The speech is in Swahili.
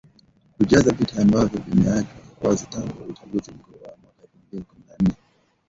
kujaza viti ambavyo vimeachwa wazi tangu uachaguzi mkuu wa mwaka elfu mbili kumi na nane